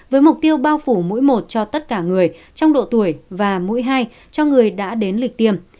với mục tiêu bao phủ mũi một cho tất cả người trong độ tuổi và mũi hai cho người đã đến lịch tiêm